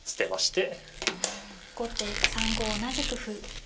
後手３五同じく歩。